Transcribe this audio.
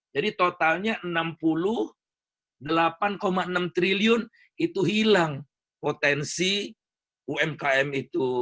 jadi totalnya enam puluh delapan enam triliun itu hilang potensi umkm itu